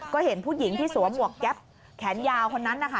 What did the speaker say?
ก็เห็นผู้หญิงที่สวมหมวกแก๊ปแขนยาวคนนั้นนะคะ